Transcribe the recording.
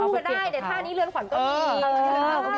ก็สู้ก็ได้แต่ท่านี้เลือนคอยมันก็ดี